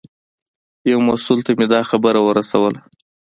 یو مسوول ته مې دا خبره ورسوله.